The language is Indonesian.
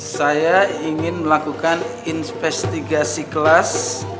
saya ingin melakukan investigasi kelas